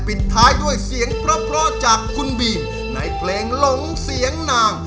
พี่คอยหาหนงลงเสียงหนา